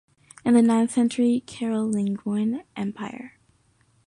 In the ninth-century Carolingian Empire.